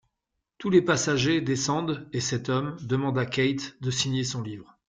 Tous les passagers descendent et cet homme demande à Kate de signer son livre.